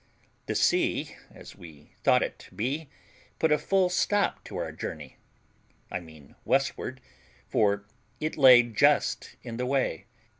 The sea, as we thought it to be, put a full stop to our journey (I mean westward), for it lay just in the way.